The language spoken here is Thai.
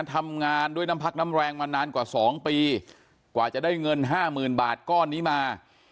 ทำงานด้วยน้ำพักน้ำแรงมานานกว่า๒ปีกว่าจะได้เงินห้าหมื่นบาทก้อนนี้มา